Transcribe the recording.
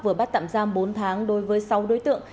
vừa bắt tạm giam bốn tháng đối với sáu đối tượng